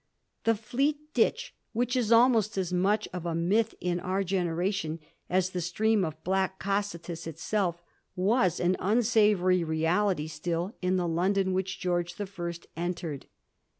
The Fleet Ditch, which is almost as much of a myth to our generation as the stream of black Cocytus itself, was an unsavoury reality still in the London which George the First entered.